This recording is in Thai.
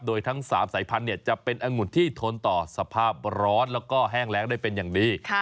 โดยทั้ง๓สายพันธุ์จะเป็นองุ่นที่ทนต่อสภาพร้อนแล้วก็แห้งแรงได้เป็นอย่างดี